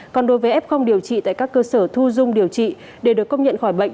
còn đối với f điều trị tại các cơ sở thu dung điều trị để được công nhận khỏi bệnh